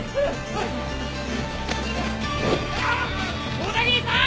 小田切さん！